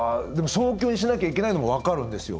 早急にしないといけないのは分かるんですよ。